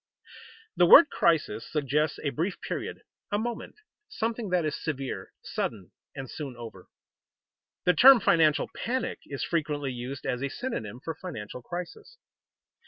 _ The word crisis suggests a brief period, a moment, something that is severe, sudden, and soon over. The term financial panic is frequently used as a synonym for financial crisis.